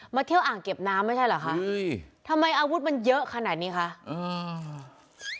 เที่ยวอ่างเก็บน้ำไม่ใช่เหรอคะเฮ้ยทำไมอาวุธมันเยอะขนาดนี้คะอืม